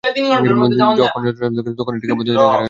যখন যন্ত্র চালু থাকবে তখন এটি কাপড় দিয়ে ঢেকে রাখা যাবে না।